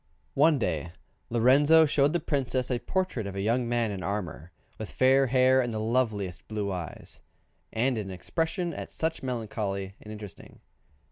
One day Lorenzo showed the Princess a portrait of a young man in armour, with fair hair and the loveliest blue eyes, and an expression at once melancholy and interesting.